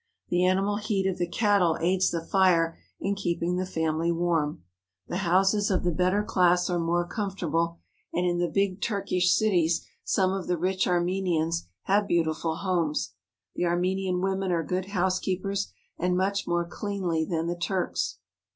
The animal heat of the cattle aids the fire in keeping the fam ily warm. The houses of the better class are more com fortable, and in the big Turkish cities some of the rich Armenians have beautiful homes. The Armenian women are good housekeepers and much more cleanly than the Turks.